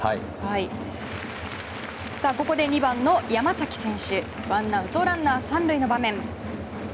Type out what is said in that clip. ここで２番の山崎選手ワンアウトランナー３塁の場面。